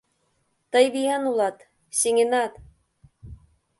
Тый виян улат, сеҥенат!